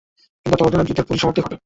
কিন্তু ততদিনে যুদ্ধের পরিসমাপ্তি ঘটে।